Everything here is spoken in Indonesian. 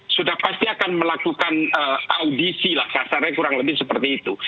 sudah pasti akan melakukan audisi lah kasarnya kurang lebih seperti itu